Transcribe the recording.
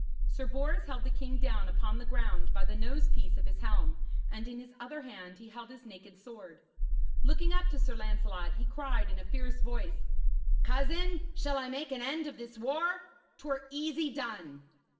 Sir Bors held the king down upon the ground by the nose piece of his helm, and in his other hand he held his naked sword. Looking up to Sir Lancelot, he cried in a fierce voice: 'Cousin, shall I make an end of this war? 'Twere easy done.'